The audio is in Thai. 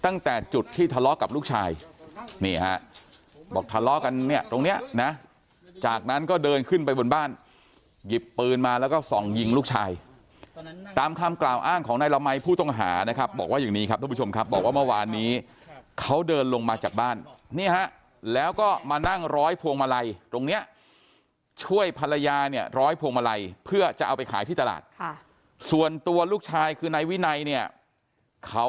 นี่ฮะบอกทะเลาะกันเนี่ยตรงเนี่ยนะจากนั้นก็เดินขึ้นไปบนบ้านหยิบปืนมาแล้วก็ส่องยิงลูกชายตามคำกล่าวอ้างของในละมัยผู้ต้องหานะครับบอกว่าอย่างนี้ครับท่านผู้ชมครับบอกว่าเมื่อวานนี้เขาเดินลงมาจัดบ้านเนี่ยฮะแล้วก็มานั่งร้อยพวงมาลัยตรงเนี่ยช่วยภรรยาเนี่ยร้อยพวงมาลัยเพื่อจะเอาไปขายที่ตลา